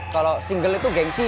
kalau single itu gengsi